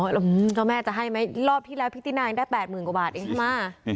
แล้วเจ้าแม่จะให้ไหมรอบที่แล้วพี่ตินายได้๘๐๐๐กว่าบาทเองใช่ไหม